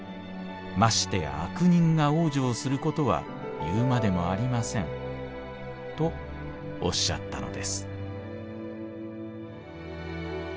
ましてや悪人が往生することは言うまでもありません』とおっしゃったのです」。